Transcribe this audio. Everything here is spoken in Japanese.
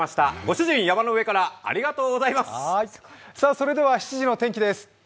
それでは７時の天気です。